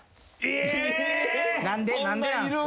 何でなんすか？